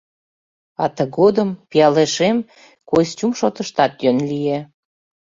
А тыгодым, пиалешем, костюм шотыштат йӧн лие.